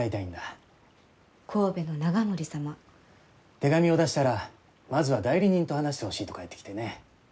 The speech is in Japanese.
手紙を出したらまずは代理人と話してほしいと返ってきてね。